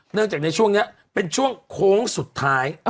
เนื่องจากในช่วงนี้เป็นช่วงโค้งสุดท้าย